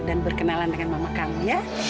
dan berkenalan dengan mama kamu ya